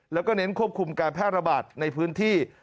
แล้วก็เน้นควบคุมการแพร่ระบาดในพื้นที่